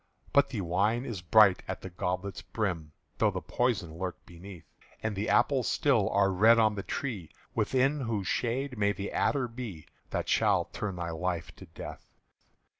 But the wine is bright at the goblet's brim Though the poison lurk beneath; And the apples still are red on the tree Within whose shade may the adder be That shall turn thy life to death.